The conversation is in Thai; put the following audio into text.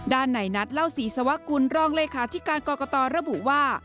ด้านไหนนัดเล่าศรีสวกุลรองเลขาธิการกรกตระบุว่า